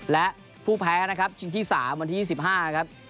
และผู้แพ้นะครับกรุงที่๓บันทิตย์๑๕ครับ